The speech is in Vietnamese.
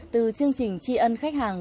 từ chương trình tri ân khách hàng